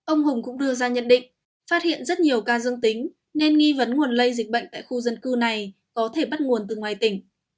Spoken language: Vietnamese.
ông hùng cũng đưa ra nhận định phát hiện rất nhiều ca dương tính nên nghi vấn nguồn lây dịch bệnh tại khu dân cư này có thể bắt nguồn từ ngoài tỉnh